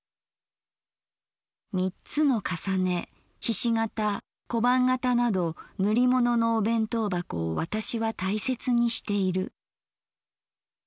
「三つの重ね菱形小判型など塗り物のお弁当箱を私は大切にしている。